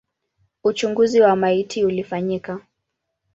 Uchunguzi wa maiti ulifanyika.